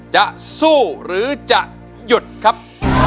จะสู้หรือจะหยุดครับ